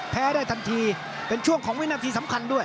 ได้ทันทีเป็นช่วงของวินาทีสำคัญด้วย